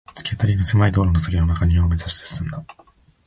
突き当たりの狭い通路の先の中庭を目指して進んだ